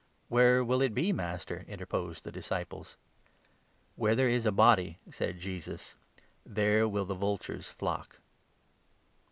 "Where will it be, Master? " interposed the disciples. 37 "Where there is a body," said Jesus, "'there will the vultures flock.'"